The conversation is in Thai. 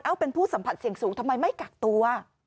เป็นผู้สัมผัสเสี่ยงสูงทำไมไม่กักตัว